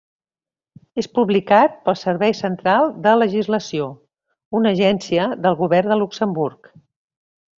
És publicat pel Servei Central de Legislació, una agència del govern de Luxemburg.